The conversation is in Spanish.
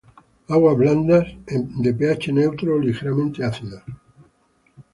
Aguas blandas, de ph neutro o ligeramente ácidas.